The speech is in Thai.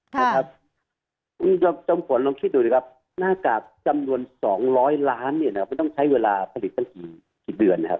คุณจมฝนลองคิดดูหน้ากากจำนวน๒๐๐ล้านมันต้องใช้เวลาผลิตตั้งแต่กี่เดือน